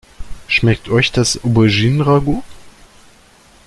Schmeckt euch das Auberginen-Ragout?